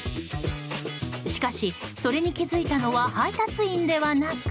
しかし、それに気づいたのは配達員ではなく。